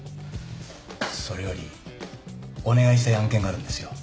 それよりお願いしたい案件があるんですよ。